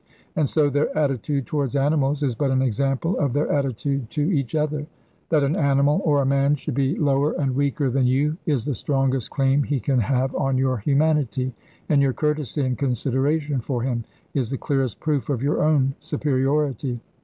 And so their attitude towards animals is but an example of their attitude to each other. That an animal or a man should be lower and weaker than you is the strongest claim he can have on your humanity, and your courtesy and consideration for him is the clearest proof of your own superiority.